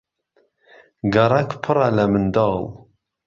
گەڕەک پڕە لە منداڵ.